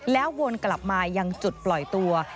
แล้ววนกลับมายังจุดปล่อยตัว